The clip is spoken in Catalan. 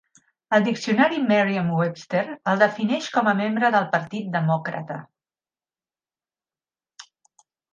El diccionari Merriam-Webster el defineix com a membre del partit demòcrata.